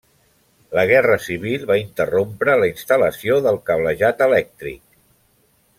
La Guerra Civil va interrompre la instal·lació del cablejat elèctric.